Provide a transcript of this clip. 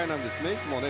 いつもね